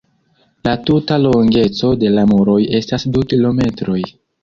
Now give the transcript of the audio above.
La tuta longeco de la muroj estas du kilometroj.